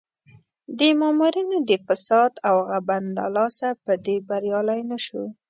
د مامورینو د فساد او غبن له لاسه په دې بریالی نه شو.